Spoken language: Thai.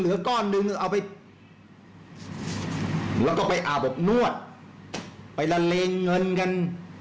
เหลือก้อนหนึ่งเอาไปหรือก็ไปอาบบนวดไปละเลงเงินกัน